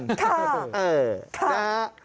ข้า